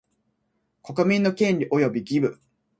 国民の権利及び義務